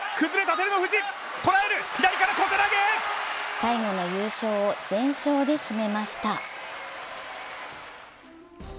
最後の優勝を全勝で締めました。